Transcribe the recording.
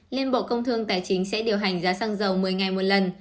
liên bộ công thương tài chính sẽ điều hành giá xăng dầu một mươi ngày một lần